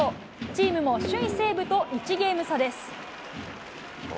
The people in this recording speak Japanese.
チームも首位西武と１ゲーム差です。